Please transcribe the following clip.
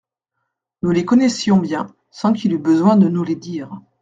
Nous les connaissions bien sans qu'il eût besoin de nous les dire.